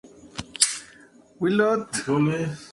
La mayor parte de su carrera discurrió en los Orlando Magic.